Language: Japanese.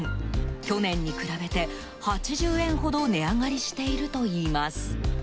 去年に比べて８０円ほど値上がりしているといいます。